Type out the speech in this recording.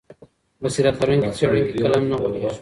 بصیرت لرونکی څېړونکی کله هم نه غولیږي.